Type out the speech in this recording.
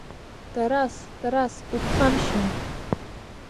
Тарас, Тарас, уԥхамшьан…